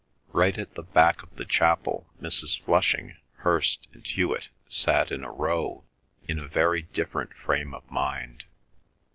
Right at the back of the chapel Mrs. Flushing, Hirst, and Hewet sat in a row in a very different frame of mind.